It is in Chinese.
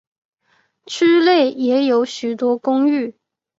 区内也有许多公寓。